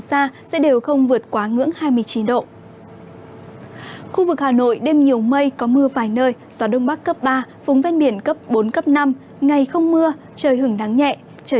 hãy đăng ký kênh để ủng hộ kênh của chúng mình nhé